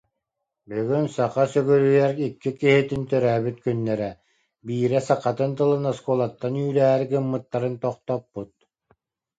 Бүгүн саха сүгүрүйэр икки киһитин төрөөбүт күннэрэ. Биирэ сахатын тылын оскуолаттан үүрээри гыммыттарын тохтоппут